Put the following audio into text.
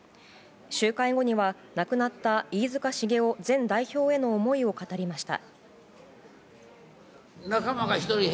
集会後には亡くなった飯塚繁雄前代表への思いを語りました。